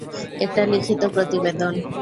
একটা লিখিত প্রতিবেদন।